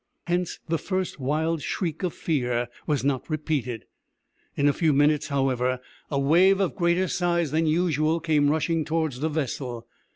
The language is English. Hence the first wild shriek of fear was not repeated. In a few minutes, however, a wave of greater size than usual came rushing towards the vessel.